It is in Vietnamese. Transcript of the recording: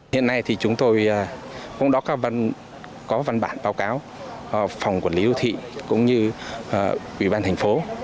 hiện nay thì chúng tôi cũng đọc các văn bản báo cáo phòng quản lý đô thị cũng như quỹ ban thành phố